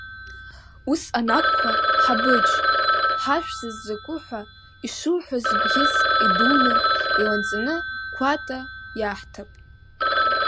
Ус анакәха, Ҳабыџь, ҳажәсас закәу ҳәа ишуҳәаз бӷьыцк идуны иланҵаны Қәаҭа иаҳҭап.